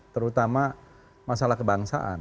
terutama masalah kebangsaan